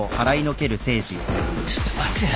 ちょっと待てよ。